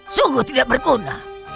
sungguh tidak berguna